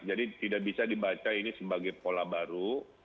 jadi tidak bisa dibaca ini sebagai pola baru